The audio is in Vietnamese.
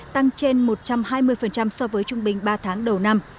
tăng trên một trăm hai mươi so với trung bình ba tháng đầu năm